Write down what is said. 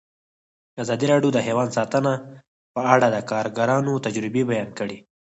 ازادي راډیو د حیوان ساتنه په اړه د کارګرانو تجربې بیان کړي.